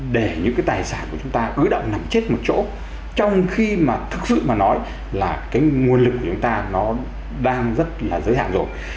để những cái tài sản của chúng ta ứ động nằm chết một chỗ trong khi mà thực sự mà nói là cái nguồn lực của chúng ta nó đang rất là giới hạn rồi